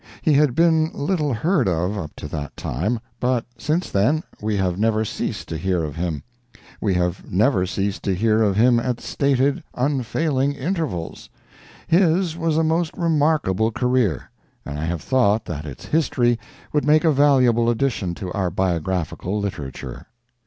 He had been little heard of up to that time, but since then we have never ceased to hear of him; we have never ceased to hear of him at stated, unfailing intervals. His was a most remarkable career, and I have thought that its history would make a valuable addition to our biographical literature.